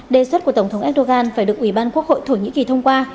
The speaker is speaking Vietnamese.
đề xuất của tổng thống erdogan phải được ủy ban quốc hội thổ nhĩ kỳ thông qua